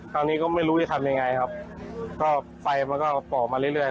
ตอนนี้ก็ไม่รู้จะทำยังไงครับก็ไฟมันก็ป่อมาเรื่อย